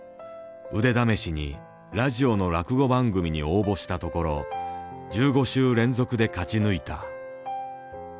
腕試しにラジオの落語番組に応募したところ１５週連続で勝ち抜いた。